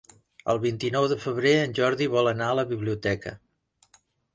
El vint-i-nou de febrer en Jordi vol anar a la biblioteca.